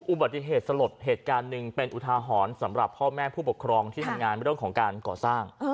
อุบัติเหตุสลดเหตุการณ์หนึ่งเป็นอุทาหรณ์สำหรับพ่อแม่ผู้ปกครองที่ทำงานเรื่องของการก่อสร้าง